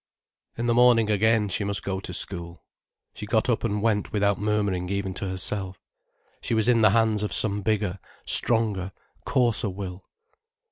In the morning again she must go to school. She got up and went without murmuring even to herself. She was in the hands of some bigger, stronger, coarser will.